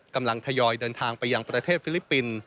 กำลังทยอยเดินทางไปยังประเทศฟิลิปปินส์